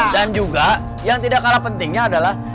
dan juga yang tidak kalah pentingnya adalah